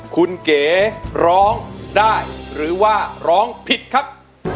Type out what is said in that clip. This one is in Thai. คุณเก๋ร้องได้หรือว่าร้องผิดครับ